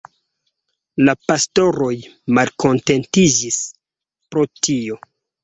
La pastoroj malkontentiĝis pro tio.